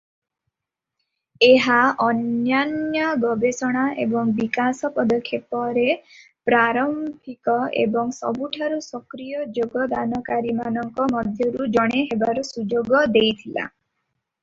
ଏହା ଅନ୍ୟାନ୍ୟ ଗବେଷଣା ଏବଂ ବିକାଶ ପଦକ୍ଷେପରେ ପ୍ରାରମ୍ଭିକ ଏବଂ ସବୁଠାରୁ ସକ୍ରିୟ ଯୋଗଦାନକାରୀମାନଙ୍କ ମଧ୍ୟରୁ ଜଣେ ହେବାର ସୁଯୋଗ ଦେଇଥିଲା ।